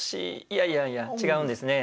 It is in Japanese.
いやいやいや違うんですね。